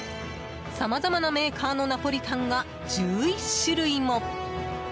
さまざまなメーカーのナポリタンが１１種類も。